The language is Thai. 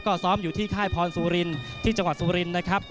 ก็ซ้อมอยู่ที่ค่ายพรสุรินที่จังหวัดสุรินนะครับ